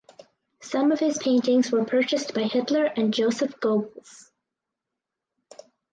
Some of his paintings were purchased by Hitler and Joseph Goebbels.